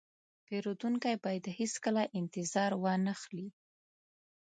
پیرودونکی باید هیڅکله انتظار وانهخلي.